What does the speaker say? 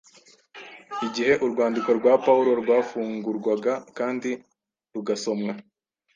Igihe urwandiko rwa Pawulo rwafungurwaga kandi rugasomwa,